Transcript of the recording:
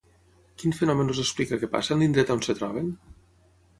Quin fenomen els explica que passa en l'indret on es troben?